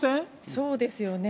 そうですよね。